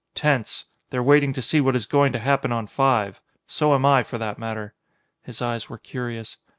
"Tense. They're waiting to see what is going to happen on Five. So am I, for that matter." His eyes were curious.